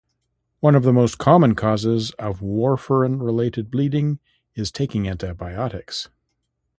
One of the most common causes of warfarin-related bleeding is taking antibiotics.